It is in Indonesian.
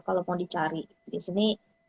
kalau mau dicari di sini